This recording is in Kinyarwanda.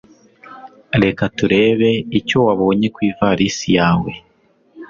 Reka turebe icyo wabonye ku ivarisi yawe.